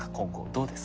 どうですか？